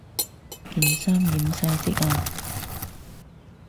件衫染晒色呀